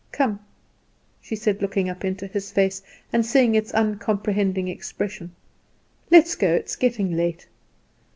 Come," she said, looking up into his face, and seeing its uncomprehending expression, "let us go, it is getting late.